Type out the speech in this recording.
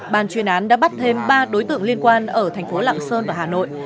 ban chuyên án đã bắt thêm ba đối tượng liên quan ở thành phố lạng sơn và hà nội